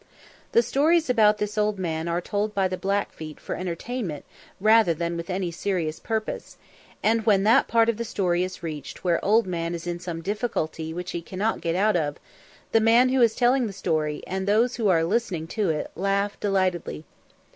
The stories about this Old Man are told by the Blackfeet for entertainment rather than with any serious purpose, and when that part of the story is reached where Old Man is in some difficulty which he cannot get out of, the man who is telling the story, and those who are listening to it, laugh delightedly.